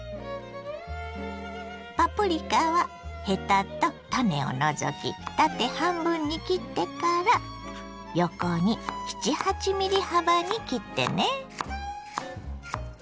パプリカはヘタと種を除き縦半分に切ってから横に７８ｍｍ幅に切ってね。